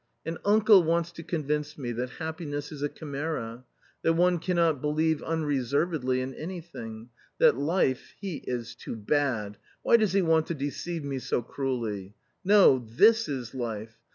" And uncle wants to convince me that happiness is a chimaera, that one cannot believe unreservedly in anything, that life he is too bad ! Why does he want to deceive me so cruelly? No, this is life